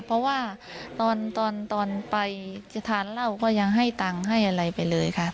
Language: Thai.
เพราะว่าตอนไปจะทานเหล้าก็ยังให้ตังค์ให้อะไรไปเลยค่ะ